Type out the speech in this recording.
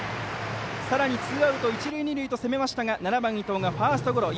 さらにツーアウト、一塁二塁と攻めましたが７番、伊藤がファーストゴロ。